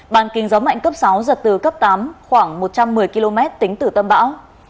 bàn kinh gió mạnh cấp sáu giật từ cấp tám khoảng một trăm một mươi km tính từ tâm bão